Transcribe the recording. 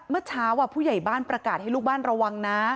เมื่อเช้าผู้ใหญ่บ้านประกาศให้ลูกบ้านระวังนะ